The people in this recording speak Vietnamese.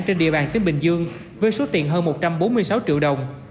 trên địa bàn tỉnh bình dương với số tiền hơn một trăm bốn mươi sáu triệu đồng